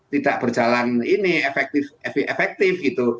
tidak berjalan ini efektif gitu